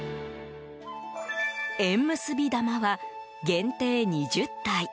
縁結び玉は限定２０体。